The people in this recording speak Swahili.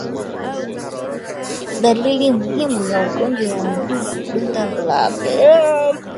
Dalili muhimu ya ugonjwa wa miguu na midomo mnyama hutokwa na vidonda kwenye kwato